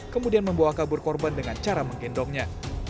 kemudian membawa kabur korban dengan cara menggendongnya